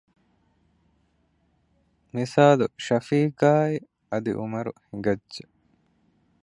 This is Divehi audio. މިސާލު ޝަފީޤާއާއި އަދި ޢުމަރު ހިނގައްޖެ